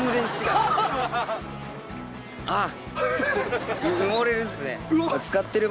あっ。